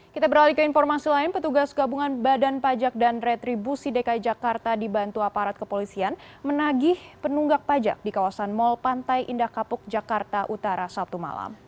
kita beralih ke informasi lain petugas gabungan badan pajak dan retribusi dki jakarta dibantu aparat kepolisian menagih penunggak pajak di kawasan mall pantai indah kapuk jakarta utara sabtu malam